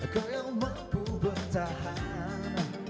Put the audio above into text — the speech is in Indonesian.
kau yang mampu bertahan